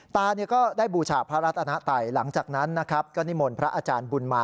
ตาก็ได้บูชาพระรัฐอาณาตัยหลังจากนั้นก็นิมลพระอาจารย์บุญมา